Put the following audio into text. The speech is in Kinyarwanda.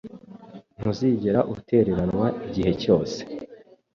Ntuzigera utereranwa, igihe cyose